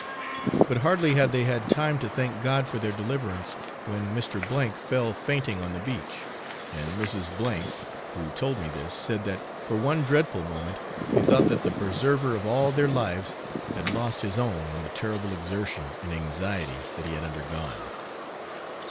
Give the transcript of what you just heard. But hardly had they had time to thank God for their deliverance when Mr. C fell fainting on the beach; and Mrs. F , who told me this, said that for one dreadful moment they thought that the preserver of all their lives had lost his own in the terrible exertion and anxiety that he had undergone.